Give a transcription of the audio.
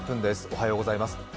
おはようございます。